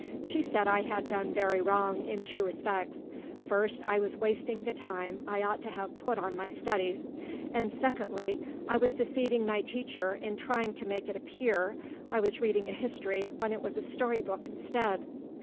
She said I had done very wrong in two respects. First, I was wasting the time I ought to have put on my studies; and secondly, I was deceiving my teacher in trying to make it appear I was reading a history when it was a storybook instead.